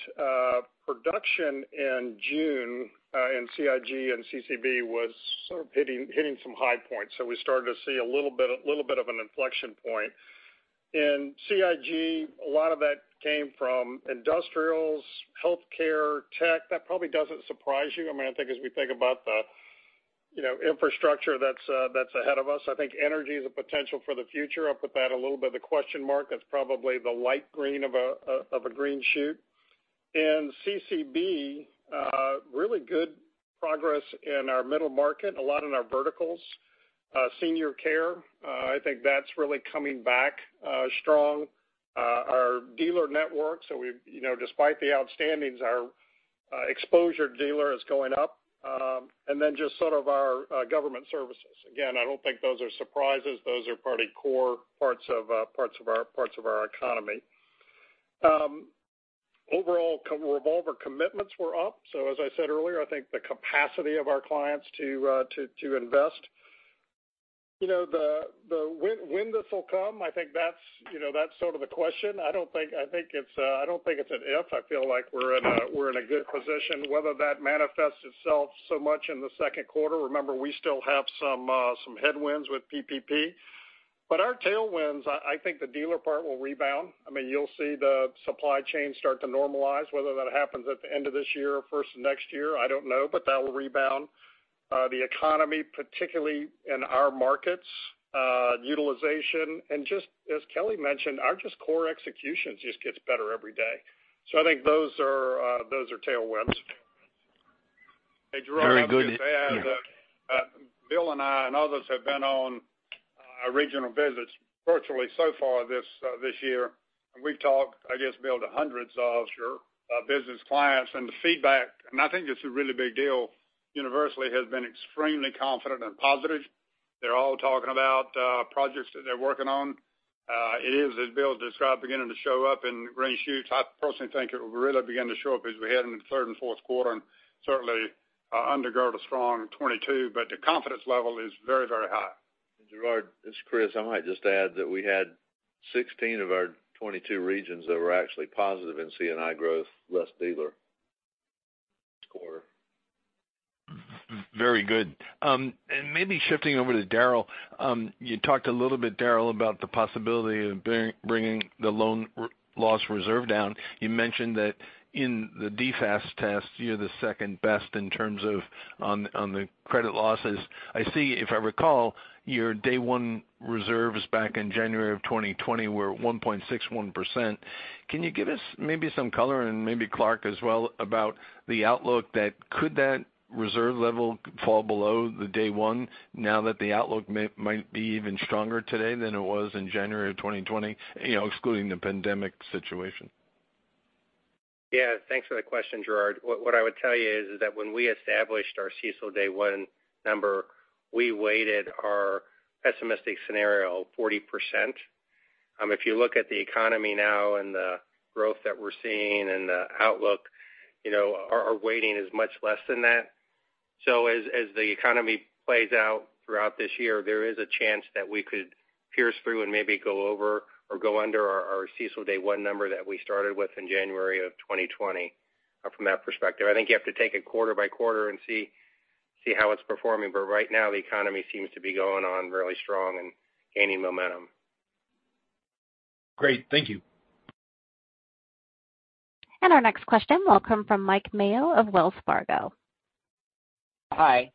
production in June in CIB and CCB was sort of hitting some high points. We started to see a little bit of an inflection point. In CIB, a lot of that came from industrials, healthcare, tech. That probably doesn't surprise you. I think as we think about the infrastructure that's ahead of us, I think energy is a potential for the future. I'll put that a little bit of a question mark. That's probably the light green of a green shoot. In CCB, really good progress in our middle market, a lot in our verticals. Senior care, I think that's really coming back strong. Our dealer network. Despite the outstandings, our exposure to dealer is going up. Just our government services. Again, I don't think those are surprises. Those are pretty core parts of our economy. Overall, revolver commitments were up. As I said earlier, I think the capacity of our clients to invest. The when this will come, I think that's the question. I don't think it's an if. I feel like we're in a good position. Whether that manifests itself so much in the second quarter, remember, we still have some headwinds with PPP. Our tailwinds, I think the dealer part will rebound. You'll see the supply chain start to normalize, whether that happens at the end of this year or first of next year, I don't know, but that'll rebound. The economy, particularly in our markets, utilization, and just as Kelly mentioned, our just core execution just gets better every day. I think those are tailwinds. Very good. Hey, Gerard, I'll just add that Bill and I and others have been on regional visits virtually so far this year and we've talked, I guess, build a hundreds of offshore business clients, and the feedback, and I think it's a really big deal, universally has been extremely confident and positive. They're all talking about projects that they're working on. It is, as Bill described, beginning to show up in green shoots. I personally think it will really begin to show up as we head into the third and fourth quarter, and certainly undergird a strong 2022. The confidence level is very high. Gerard Cassidy, it's Chris. I might just add that we had 16 of our 22 regions that were actually positive in C&I growth, less dealer this quarter. Very good. Maybe shifting over to Daryl. You talked a little bit, Daryl, about the possibility of bringing the loan loss reserve down. You mentioned that in the DFAST test, you're the second best in terms of on the credit losses. I see, if I recall, your day one reserves back in January of 2020 were 1.61%. Can you give us maybe some color, and maybe Clarke as well, about the outlook that could that reserve level fall below the day one now that the outlook might be even stronger today than it was in January of 2020 excluding the pandemic situation? Thanks for the question, Gerard. What I would tell you is that when we established our CECL day one number, we weighted our pessimistic scenario 40%. If you look at the economy now and the growth that we're seeing and the outlook, our weighting is much less than that. As the economy plays out throughout this year, there is a chance that we could pierce through and maybe go over or go under our CECL day one number that we started with in January of 2020 from that perspective. I think you have to take it quarter by quarter and see how it's performing. Right now, the economy seems to be going on really strong and gaining momentum. Great. Thank you. Our next question will come from Mike Mayo of Wells Fargo. Hi.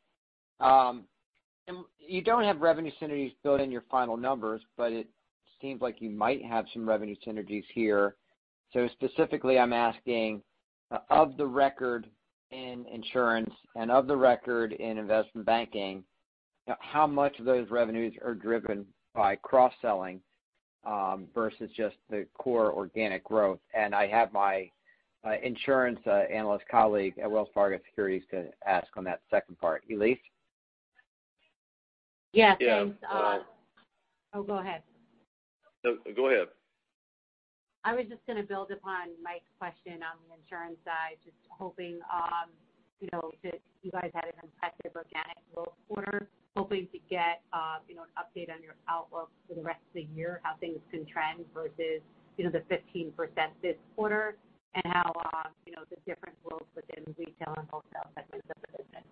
You don't have revenue synergies built in your final numbers. It seems like you might have some revenue synergies here. Specifically, I'm asking, of the record in insurance and of the record in investment banking, how much of those revenues are driven by cross-selling versus just the core organic growth? I have my insurance analyst colleague at Wells Fargo Securities to ask on that second part. Elyse? Yeah, thanks. Yeah. Oh, go ahead. No, go ahead. I was just going to build upon Mike's question on the insurance side, just hoping since you guys had an impressive organic growth quarter, hoping to get an update on your outlook for the rest of the year, how things can trend versus the 15% this quarter and how the difference looks within retail and wholesale segments of the business?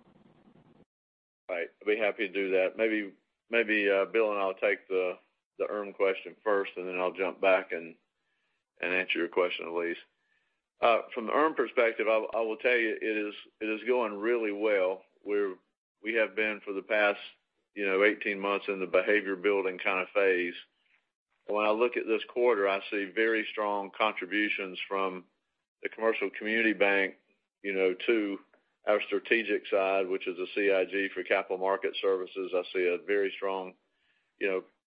Right. I'd be happy to do that. Maybe Bill and I will take the IRM question first, and then I'll jump back and answer your question, Elyse. From the IRM perspective, I will tell you it is going really well. We have been for the past 18 months in the behavior building kind of phase. When I look at this quarter, I see very strong contributions from the commercial community bank to our strategic side, which is a CIB for capital market services. I see a very strong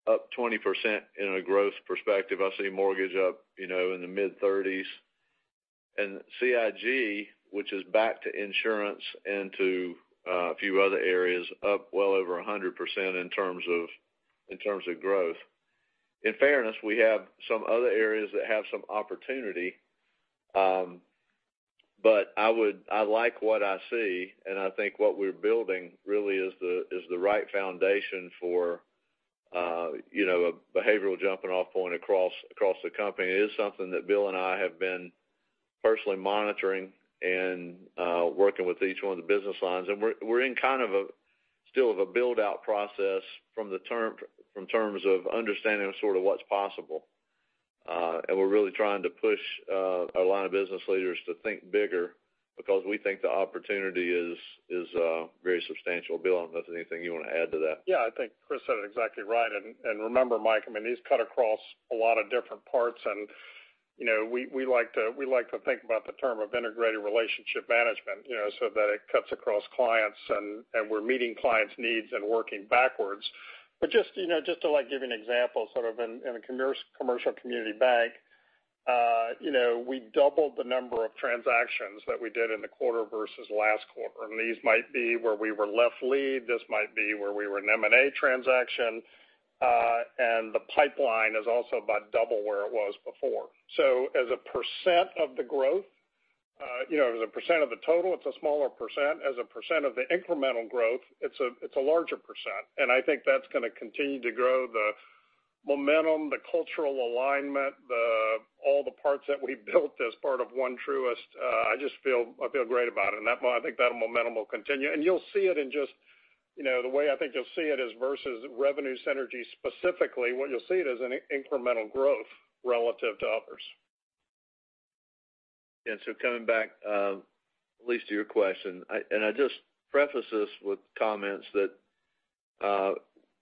up 20% in a growth perspective. I see mortgage up in the mid-30s%. CIB, which is back to insurance and to a few other areas, up well over 100% in terms of growth. In fairness, we have some other areas that have some opportunity. I like what I see. I think what we're building really is the right foundation for a behavioral jumping-off point across the company. It is something that Bill and I have been personally monitoring and working with each one of the business lines. We're in kind of a still of a build-out process from terms of understanding sort of what's possible. We're really trying to push our line of business leaders to think bigger because we think the opportunity is very substantial. Bill, unless there's anything you want to add to that? Yeah. I think Chris said it exactly right. Remember, Mike, these cut across a lot of different parts, and we like to think about the term of integrated relationship management so that it cuts across clients and we're meeting clients' needs and working backwards. Just to give you an example in a Commercial Community Bank. We doubled the number of transactions that we did in the quarter versus last quarter. These might be where we were left lead, this might be where we were an M&A transaction. The pipeline is also about double where it was before. As a percent of the total, it's a smaller percent. As a percent of the incremental growth, it's a larger percent. I think that's going to continue to grow the momentum, the cultural alignment, all the parts that we've built as part of One Truist. I just feel great about it. I think that momentum will continue. The way I think you'll see it is versus revenue synergy, specifically, what you'll see it as an incremental growth relative to others. Coming back, Elyse, to your question, I just preface this with comments that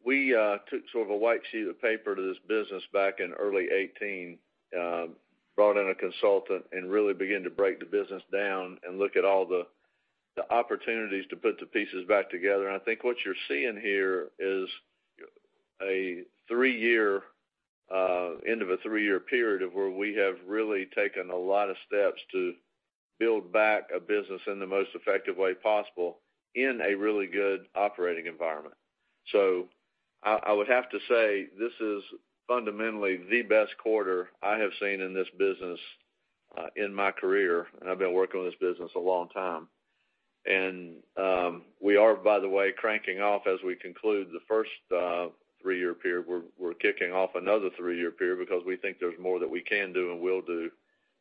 we took sort of a white sheet of paper to this business back in early 2018, brought in a consultant and really began to break the business down and look at all the opportunities to put the pieces back together. I think what you're seeing here is end of a three-year period of where we have really taken a lot of steps to build back a business in the most effective way possible in a really good operating environment. I would have to say this is fundamentally the best quarter I have seen in this business in my career, and I've been working with this business a long time. We are, by the way, cranking off as we conclude the first three-year period. We're kicking off another three-year period because we think there's more that we can do and will do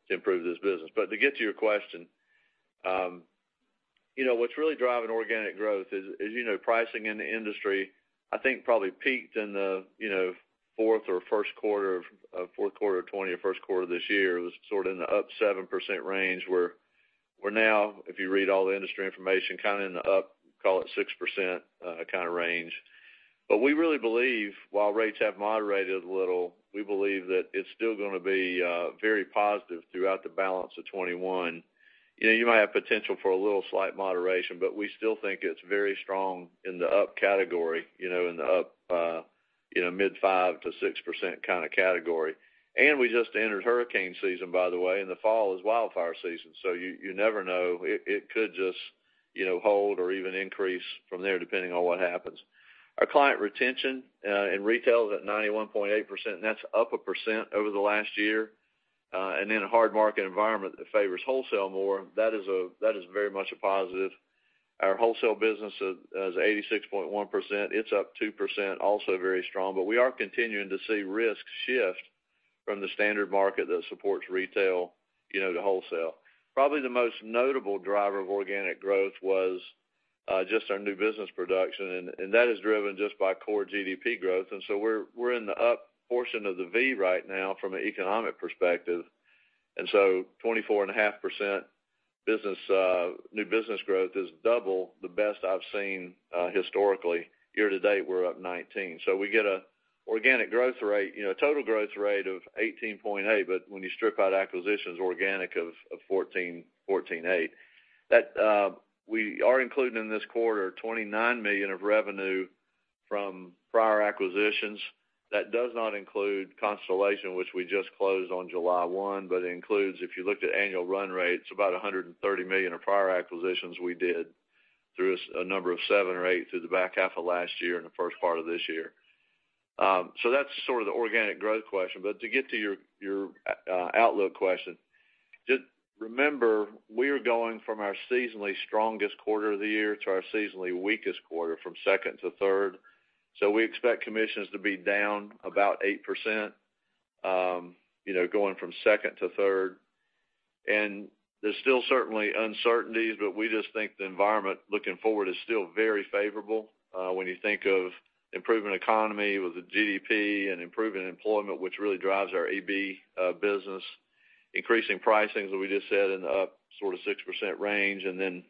to improve this business. To get to your question, what's really driving organic growth is pricing in the industry, I think, probably peaked in the fourth quarter of 2020 or first quarter of this year. It was sort of in the up 7% range. We're now, if you read all the industry information, kind of in the up, call it 6% kind of range. We really believe while rates have moderated a little, we believe that it's still going to be very positive throughout the balance of 2021. You might have potential for a little slight moderation, we still think it's very strong in the up category, in the up mid 5%-6% kind of category. We just entered hurricane season, by the way, and the fall is wildfire season. You never know. It could just hold or even increase from there, depending on what happens. Our client retention in retail is at 91.8%, and that's up 1% over the last year. In a hard market environment that favors wholesale more, that is very much a positive. Our wholesale business is 86.1%. It's up 2%, also very strong. We are continuing to see risks shift from the standard market that supports retail to wholesale. Probably the most notable driver of organic growth was just our new business production, and that is driven just by core GDP growth. We're in the up portion of the V right now from an economic perspective. 24.5% new business growth is double the best I've seen historically. Year-to-date, we're up 19%. We get a total growth rate of 18.8%, but when you strip out acquisitions, organic of 14.8%. We are including in this quarter $29 million of revenue from prior acquisitions. That does not include Constellation, which we just closed on July 1, but it includes, if you looked at annual run rates, about $130 million of prior acquisitions we did through a number of seven or eight through the back half of last year and the first part of this year. That's sort of the organic growth question. To get to your outlook question, just remember, we are going from our seasonally strongest quarter of the year to our seasonally weakest quarter, from second to third. We expect commissions to be down about 8%, going from second to third. There's still certainly uncertainties, but we just think the environment looking forward is still very favorable. You think of improving economy with the GDP and improving employment, which really drives our EB business. Increasing pricing, as we just said, in the up sort of 6% range. Then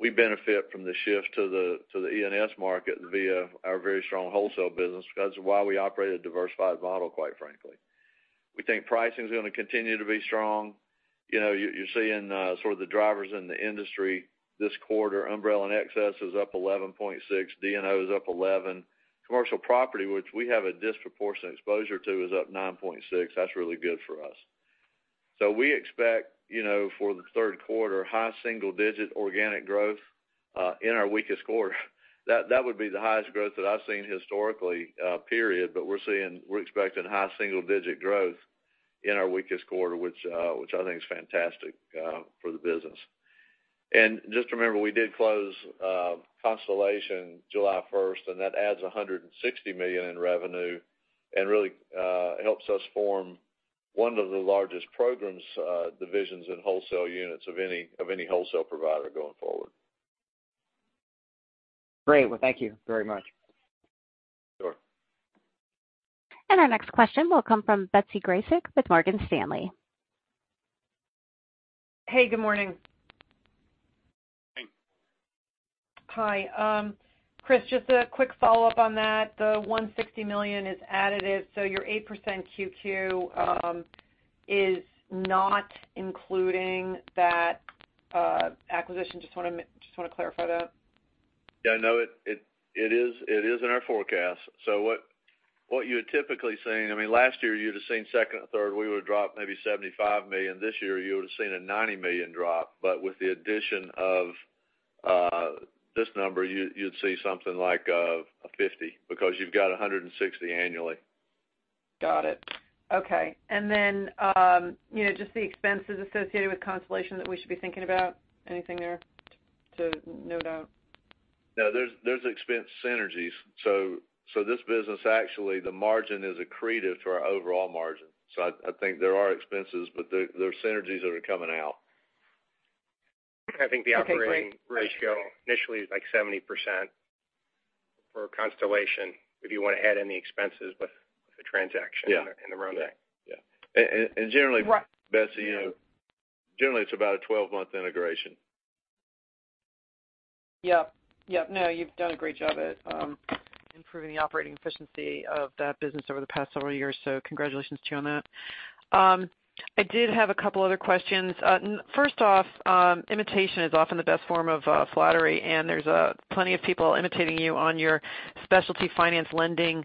we benefit from the shift to the E&S market via our very strong wholesale business. That's why we operate a diversified model, quite frankly. We think pricing's going to continue to be strong. You're seeing sort of the drivers in the industry this quarter. Umbrella and excess is up 11.6%. D&O is up 11%. Commercial property, which we have a disproportionate exposure to, is up 9.6%. That's really good for us. We expect for the third quarter, high single-digit organic growth, in our weakest quarter. That would be the highest growth that I've seen historically, period, but we're expecting high single-digit growth in our weakest quarter, which I think is fantastic for the business. Just remember, we did close Constellation July 1st, and that adds $160 million in revenue and really helps us form one of the largest programs divisions and wholesale units of any wholesale provider going forward. Great. Well, thank you very much. Sure. Our next question will come from Betsy Graseck with Morgan Stanley. Hey, good morning. Hey. Hi. Chris, just a quick follow-up on that. The $160 million is additive. Your 8% 2Q is not including that acquisition. Just want to clarify that. Yeah, no, it is in our forecast. What you would typically seen, last year you would've seen second or third, we would've dropped maybe $75 million. This year, you would've seen a $90 million drop. With the addition of this number, you'd see something like a $50 million, because you've got $160 million annually. Got it. Okay. Just the expenses associated with Constellation that we should be thinking about, anything there to note out? No, there's expense synergies. This business actually, the margin is accretive to our overall margin. I think there are expenses, but there are synergies that are coming out. Okay, great. I think the operating ratio initially is like 70% for Constellation, if you want to add any expenses with the transaction. Yeah ...in the run rate. Yeah. Right Betsy, generally it's about a 12-month integration. Yep. No, you've done a great job at improving the operating efficiency of that business over the past several years, so congratulations to you on that. I did have a couple other questions. First off, imitation is often the best form of flattery, and there's plenty of people imitating you on your specialty finance lending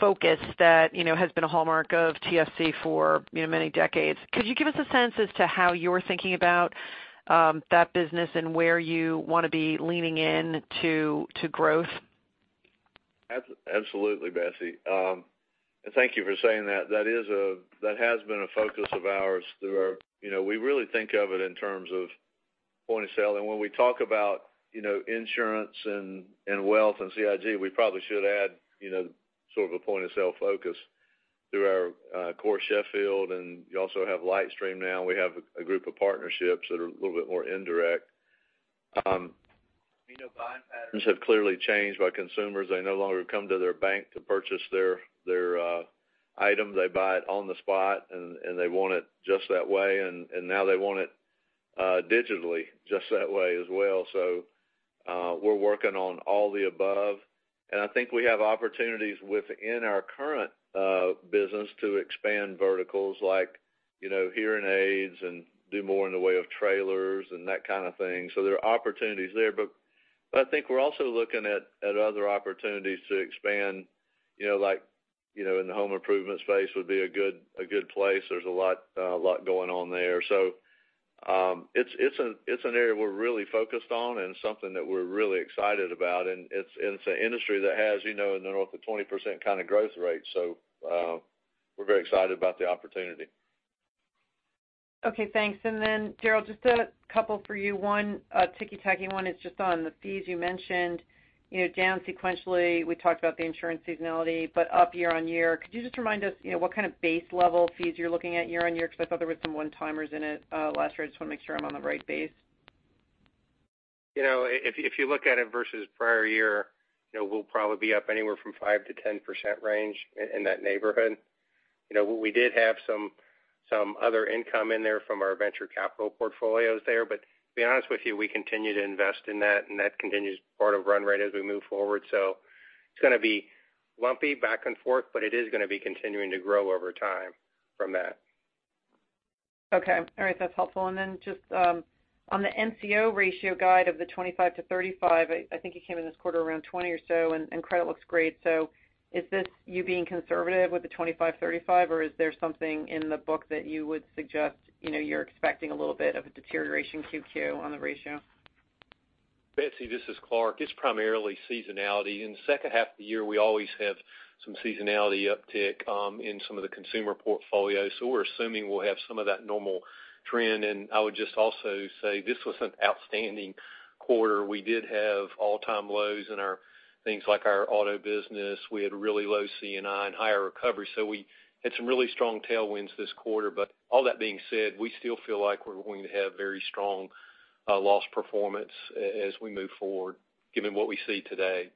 focus that has been a hallmark of TFC for many decades. Could you give us a sense as to how you're thinking about that business and where you want to be leaning into growth? Absolutely, Betsy. Thank you for saying that. That has been a focus of ours. We really think of it in terms of point of sale. When we talk about insurance and wealth and CIB, we probably should add sort of a point of sale focus through our Sheffield, and you also have LightStream now. We have a group of partnerships that are a little bit more indirect. We know buying patterns have clearly changed by consumers. They no longer come to their bank to purchase their item. They buy it on the spot, and they want it just that way. Now they want it digitally just that way as well. We're working on all the above. I think we have opportunities within our current business to expand verticals like hearing aids and do more in the way of trailers and that kind of thing. There are opportunities there. I think we're also looking at other opportunities to expand, like in the home improvement space would be a good place. There's a lot going on there. It's an area we're really focused on and something that we're really excited about. It's an industry that has in the north of 20% kind of growth rate. We're very excited about the opportunity. Okay, thanks. Daryl, just a couple for you. One ticky-tacky one is just on the fees you mentioned, down sequentially, we talked about the insurance seasonality, but up year-over-year. Could you just remind us what kind of base level fees you're looking at year-over-year? I thought there was some one-timers in it last year. I just want to make sure I'm on the right base. If you look at it versus prior year, we'll probably be up anywhere from 5%-10% range, in that neighborhood. We did have some other income in there from our venture capital portfolios there. To be honest with you, we continue to invest in that, and that continues part of run rate as we move forward. It's going to be lumpy back and forth, but it is going to be continuing to grow over time from that. Okay. All right. That's helpful. Just on the NCO ratio guide of the 25%-35%, I think you came in this quarter around 20% or so, and credit looks great. Is this you being conservative with the 25%-35%, or is there something in the book that you would suggest you're expecting a little bit of a deterioration 2Q on the ratio? Betsy, this is Clarke. It's primarily seasonality. In the second half of the year, we always have some seasonality uptick in some of the consumer portfolios. We're assuming we'll have some of that normal trend. I would just also say this was an outstanding quarter. We did have all-time lows in things like our auto business. We had really low C&I and higher recovery. We had some really strong tailwinds this quarter. All that being said, we still feel like we're going to have very strong loss performance as we move forward given what we see today.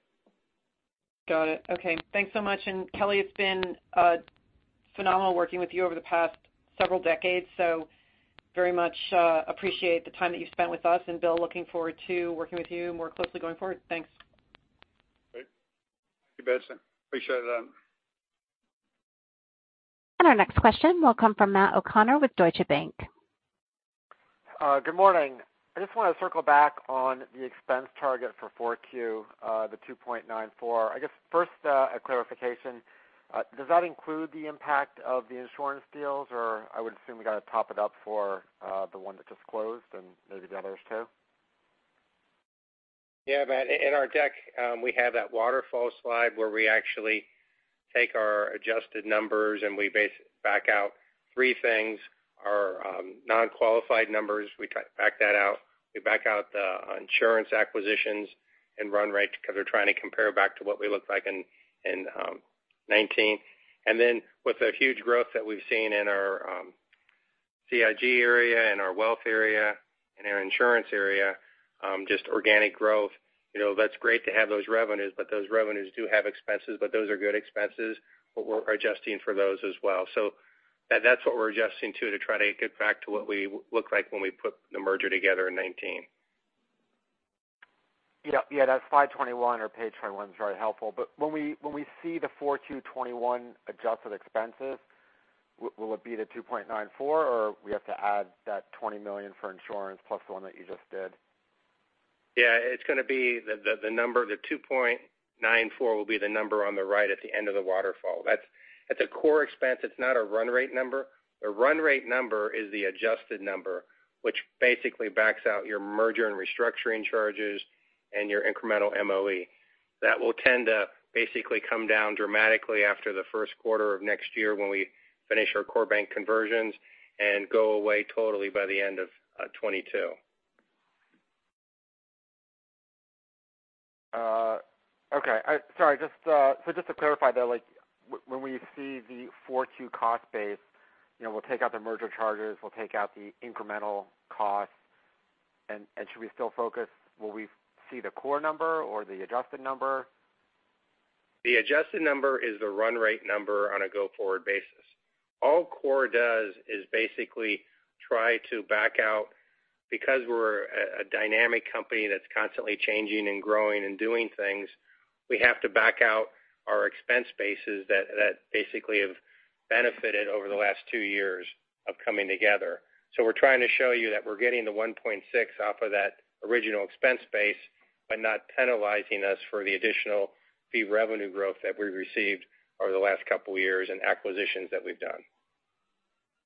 Got it. Okay. Thanks so much. Kelly, it's been phenomenal working with you over the past several decades, so very much appreciate the time that you've spent with us. Bill, looking forward to working with you more closely going forward. Thanks. Great. Thank you, Betsy. Appreciate it. Our next question will come from Matt O'Connor with Deutsche Bank. Good morning. I just want to circle back on the expense target for 4Q, the $2.94. I guess first, a clarification. Does that include the impact of the insurance deals? I would assume you got to top it up for the one that just closed and maybe the others, too. Yeah, Matt. In our deck, we have that waterfall slide where we actually take our adjusted numbers and we back out three things. Our non-qualified numbers, we back that out. We back out the insurance acquisitions and run rate because they're trying to compare back to what we looked like in 2019. With the huge growth that we've seen in our CIB area, in our wealth area, in our insurance area, just organic growth. That's great to have those revenues, but those revenues do have expenses, but those are good expenses, but we're adjusting for those as well. That's what we're adjusting to try to get back to what we look like when we put the merger together in 2019. Yeah. That slide 21 or page 21 is very helpful. When we see the 4Q 2021 adjusted expenses, will it be the $2.94, or we have to add that $20 million for insurance plus the one that you just did? Yeah. The $2.94 will be the number on the right at the end of the waterfall. That's a core expense. It's not a run rate number. The run rate number is the adjusted number, which basically backs out your merger and restructuring charges and your incremental MOE. That will tend to basically come down dramatically after the first quarter of next year when we finish our core bank conversions and go away totally by the end of 2022. Okay. Sorry. Just to clarify, when we see the 4Q cost base, we'll take out the merger charges, we'll take out the incremental costs. Will we see the core number or the adjusted number? The adjusted number is the run rate number on a go-forward basis. All core does is basically try to back out because we're a dynamic company that's constantly changing and growing and doing things, we have to back out our expense bases that basically have benefited over the last two years of coming together. We're trying to show you that we're getting the 1.6% off of that original expense base, but not penalizing us for the additional fee revenue growth that we've received over the last couple of years and acquisitions that we've done.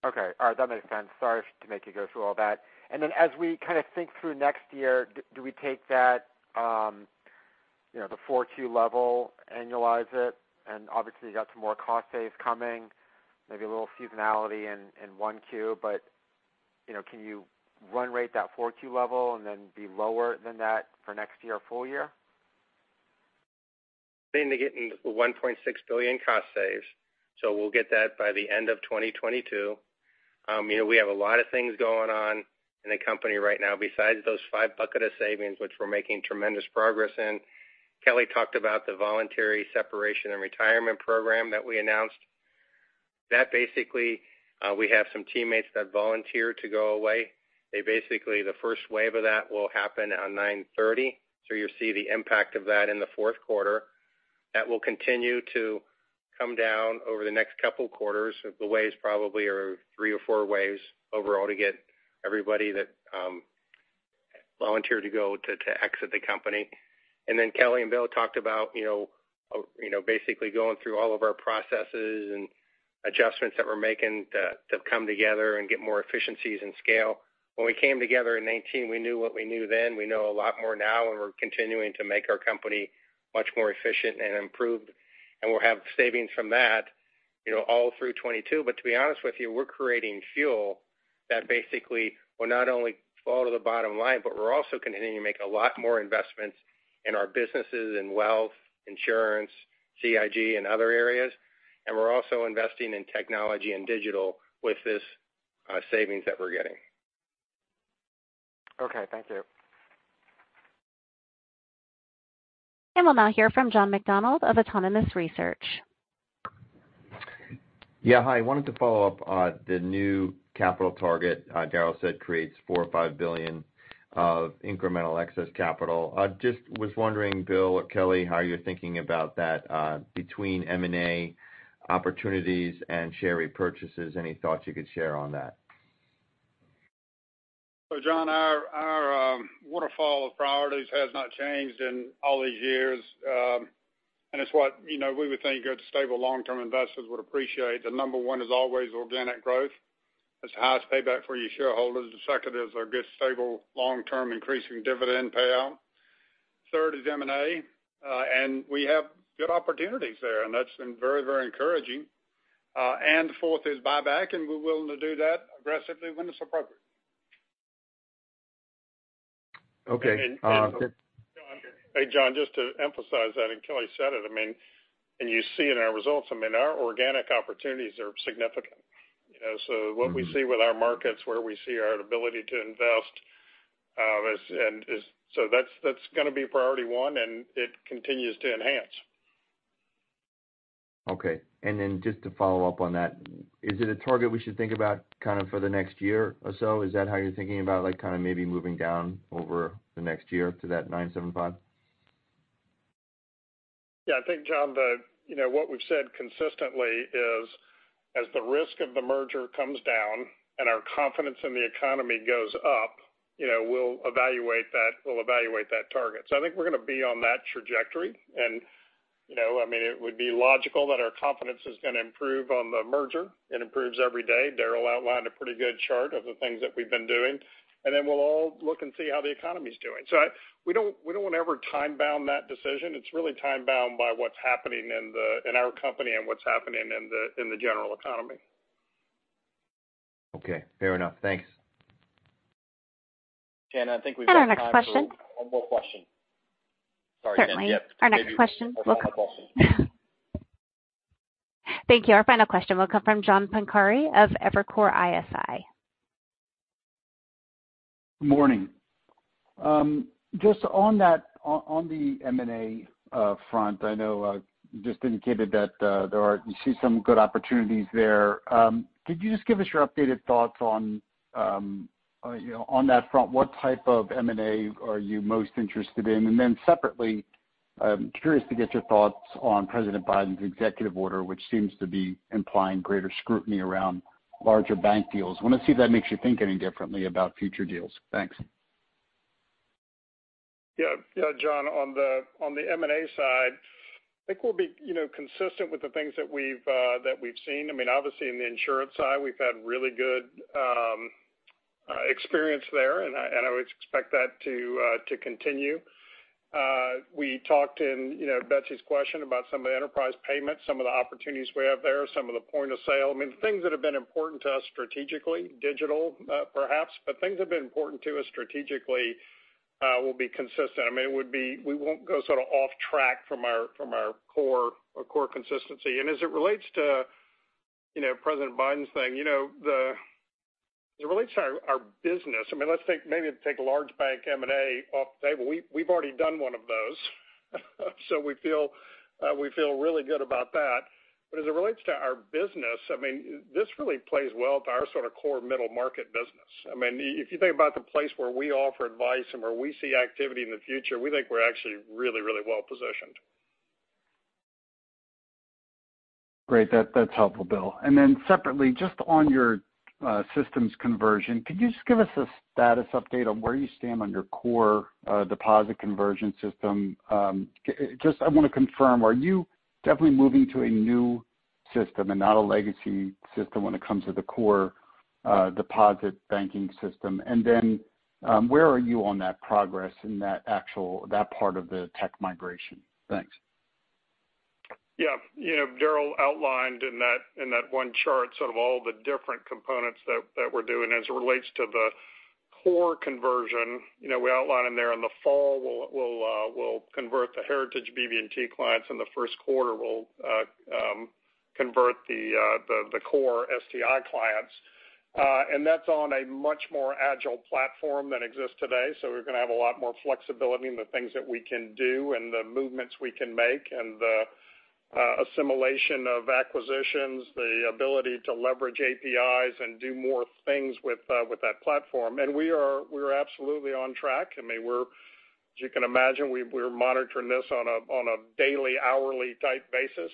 Okay. All right. That makes sense. Sorry to make you go through all that. As we kind of think through next year, do we take the 4Q level, annualize it, and obviously you've got some more cost saves coming, maybe a little seasonality in 1Q. Can you run rate that 4Q level and then be lower than that for next year full year? Been getting the $1.6 billion cost saves, so we'll get that by the end of 2022. We have a lot of things going on in the company right now besides those five buckets of savings, which we're making tremendous progress in. Kelly talked about the voluntary separation and retirement program that we announced. Basically, we have some teammates that volunteer to go away. Basically, the first wave of that will happen on September 30, so you'll see the impact of that in the fourth quarter. That will continue to come down over the next couple of quarters. The waves probably are three or four waves overall to get everybody that volunteered to go to exit the company. Kelly and Bill talked about basically going through all of our processes and adjustments that we're making to come together and get more efficiencies and scale. When we came together in 2019, we knew what we knew then. We know a lot more now, and we're continuing to make our company much more efficient and improved. We'll have savings from that all through 2022. To be honest with you, we're creating fuel that basically will not only fall to the bottom line, but we're also continuing to make a lot more investments in our businesses in wealth, insurance, CIB, and other areas. We're also investing in technology and digital with this savings that we're getting. Okay. Thank you. We'll now hear from John McDonald of Autonomous Research. Yeah. Hi. Wanted to follow up on the new capital target Daryl said creates $4 or $5 billion of incremental excess capital. Just was wondering, Bill or Kelly, how you're thinking about that between M&A opportunities and share repurchases. Any thoughts you could share on that? John, our waterfall of priorities has not changed in all these years. It's what we would think good, stable, long-term investors would appreciate. The number one is always organic growth. It's the highest payback for you shareholders. The second is our good, stable, long-term increasing dividend payout. Third is M&A, and we have good opportunities there, and that's been very encouraging. Fourth is buyback, and we're willing to do that aggressively when it's appropriate. Okay. Hey, John, just to emphasize that, and Kelly said it, and you see in our results, our organic opportunities are significant. What we see with our markets, where we see our ability to invest. That's going to be priority 1, and it continues to enhance. Okay. Then just to follow up on that, is it a target we should think about for the next year or so? Is that how you're thinking about maybe moving down over the next year to that 9.75%? Yeah. I think, John, what we've said consistently is, as the risk of the merger comes down and our confidence in the economy goes up, we'll evaluate that target. I think we're going to be on that trajectory, and it would be logical that our confidence is going to improve on the merger. It improves every day. Daryl outlined a pretty good chart of the things that we've been doing. Then we'll all look and see how the economy's doing. We don't want to ever time-bound that decision. It's really time-bound by what's happening in our company and what's happening in the general economy. Okay. Fair enough. Thanks. I think we've got time for one more question. Sorry. Certainly. Our next question. One more question. Thank you. Our final question will come from John Pancari of Evercore ISI. Just on the M&A front, I know you just indicated that you see some good opportunities there. Could you just give us your updated thoughts on that front, what type of M&A are you most interested in? Separately, I'm curious to get your thoughts on President Biden's executive order, which seems to be implying greater scrutiny around larger bank deals. I want to see if that makes you think any differently about future deals. Thanks. Yeah, John, on the M&A side, I think we'll be consistent with the things that we've seen. Obviously, in the insurance side, we've had really good experience there, and I would expect that to continue. We talked in Betsy's question about some of the enterprise payments, some of the opportunities we have there, some of the point of sale. Things that have been important to us strategically, digital perhaps, but things that have been important to us strategically will be consistent. We won't go sort of off track from our core consistency. As it relates to President Biden's thing as it relates to our business, let's maybe take large bank M&A off the table. We've already done one of those so we feel really good about that. As it relates to our business, this really plays well to our sort of core middle-market business. If you think about the place where we offer advice and where we see activity in the future, we think we're actually really well positioned. Great. That's helpful, Bill. Separately, just on your systems conversion, could you just give us a status update on where you stand on your core deposit conversion system? I want to confirm, are you definitely moving to a new system and not a legacy system when it comes to the core deposit banking system? Where are you on that progress in that part of the tech migration? Thanks. Yeah. Daryl outlined in that one chart sort of all the different components that we're doing. As it relates to the core conversion, we outlined in there, in the fall, we'll convert the Heritage BB&T clients, in the first quarter we'll convert the core STI clients. That's on a much more agile platform than exists today, so we're going to have a lot more flexibility in the things that we can do and the movements we can make and the assimilation of acquisitions, the ability to leverage APIs and do more things with that platform. We are absolutely on track. As you can imagine, we're monitoring this on a daily, hourly type basis.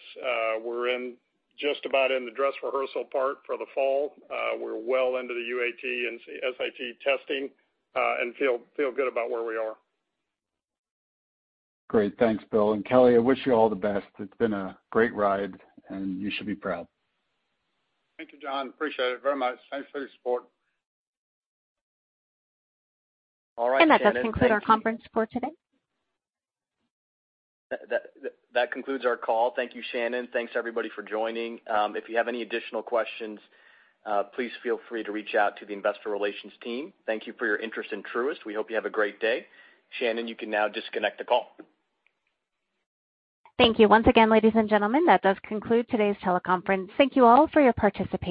We're just about in the dress rehearsal part for the fall. We're well into the UAT and SIT testing, and feel good about where we are. Great. Thanks, Bill. Kelly, I wish you all the best. It's been a great ride and you should be proud. Thank you, John. Appreciate it very much. Thanks for your support. All right, Shannon. Thank you. That does conclude our conference for today. That concludes our call. Thank you, Shannon. Thanks everybody for joining. If you have any additional questions, please feel free to reach out to the investor relations team. Thank you for your interest in Truist. We hope you have a great day. Shannon, you can now disconnect the call. Thank you once again, ladies and gentlemen, that does conclude today's teleconference. Thank you all for your participation.